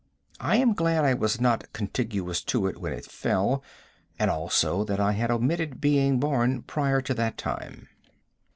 I am glad I was not contiguous to it when it fell, and also that I had omitted being born prior to that time.